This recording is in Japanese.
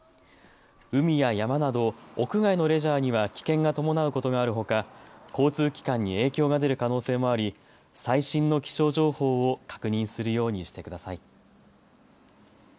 海や山など屋外のレジャーには危険が伴うことがあるほか交通機関に影響が出る可能性もあり最新の気象情報を確認するようにしてください。